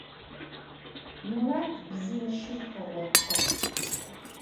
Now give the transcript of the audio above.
Мурат бзыу щыр къыгъотыгъ.